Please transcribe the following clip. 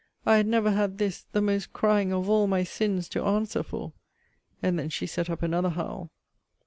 I had never had this, the most crying of all my sins, to answer for! And then she set up another howl.